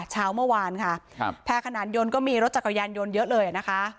เช้าเมื่อวานค่ะแพร่ขนานยนต์ก็มีรถจักรยานยนต์เยอะเลยนะคะ